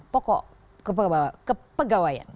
pokok ke pegawai